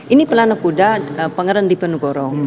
ini pelana kuda pangeran diponegoro